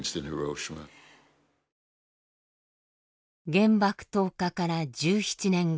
原爆投下から１７年後。